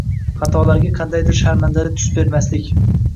Xatolarga qandaydir sharmandali tus bermaslik